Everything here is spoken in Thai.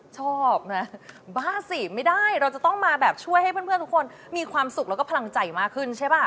ชอบนะบ้าสิไม่ได้เราจะต้องมาแบบช่วยให้เพื่อนทุกคนมีความสุขแล้วก็พลังใจมากขึ้นใช่ป่ะ